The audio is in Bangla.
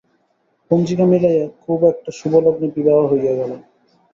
পঞ্জিকা মিলাইয়া খুব একটা শুভলগ্নে বিবাহ হইয়া গেল।